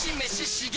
刺激！